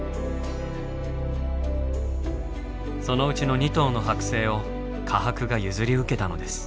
そのうちの２頭の剥製を科博が譲り受けたのです。